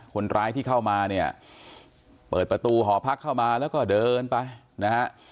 คนร้ายที่เข้ามาเนี่ยเปิดประตูหอพักเข้ามาแล้วก็เดินไปนะฮะ